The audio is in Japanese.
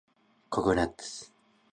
ココナッツ